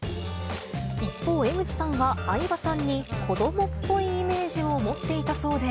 一方、江口さんは相葉さんに、子どもっぽいイメージを持っていたそうで。